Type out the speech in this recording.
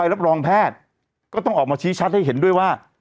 รับรองแพทย์ก็ต้องออกมาชี้ชัดให้เห็นด้วยว่า